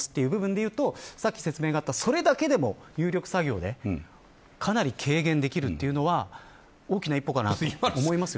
さっき説明があったそれだけでも入力作業でかなり軽減できるというのは大きな一歩かなと思います。